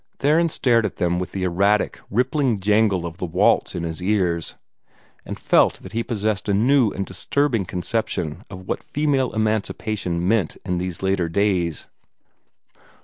Theron stared at them with the erratic, rippling jangle of the waltz in his ears, and felt that he possessed a new and disturbing conception of what female emancipation meant in these later days.